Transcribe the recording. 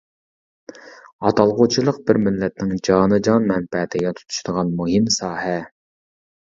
ئاتالغۇچىلىق بىر مىللەتنىڭ جانىجان مەنپەئەتىگە تۇتىشىدىغان مۇھىم ساھە.